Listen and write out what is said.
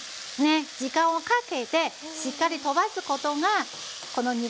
時間をかけてしっかりとばすことがこの肉にはストレスが少ないです。